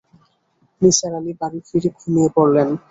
নিসার আলি বাড়ি ফিরে ঘুমিয়ে পড়লেন।